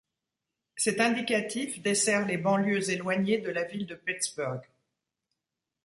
Cet indicatif dessert les banlieues éloignées de la ville de Pittsburgh.